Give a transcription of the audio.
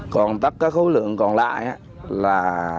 còn tất cả khối lượng còn lại là